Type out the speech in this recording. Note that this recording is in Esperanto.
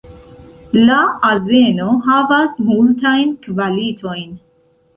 La azeno havas multajn kvalitojn.